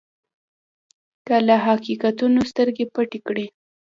که له حقیقتونو سترګې پټې کړئ.